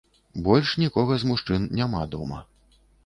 Больш нікога з мужчын няма дома.